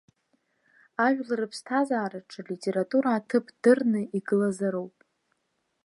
Ажәлар рыԥсҭазаараҿы алитература аҭыԥ дырны игылазароуп.